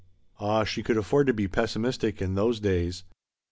Ah, she could afford to be pessimistic in those days